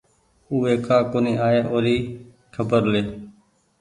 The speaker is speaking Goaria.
اوي ڪآ ڪونيٚ آئي اور خبر لي